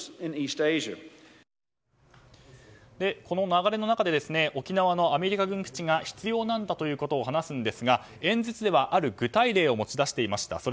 この流れの中で沖縄のアメリカ軍基地が必要なんだということを話すんですが、演説ではある具体例を持ち出していました。